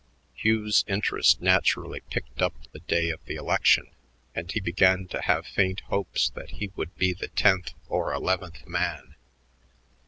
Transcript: Hugh's interest naturally picked up the day of the election, and he began to have faint hopes that he would be the tenth or eleventh man.